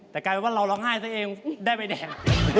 แต่กลายเป็นว่าเราร้องไห้ซะเองได้ใบแดง